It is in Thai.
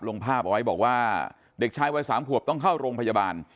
ลงภาพเอาไว้บอกว่าเด็กชายวัย๓ขวบต้องเข้าโรงพยาบาล